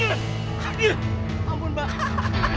aduh ampun mbak